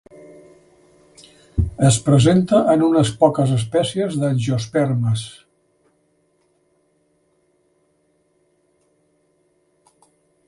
Es presenta en unes poques espècies d'angiospermes.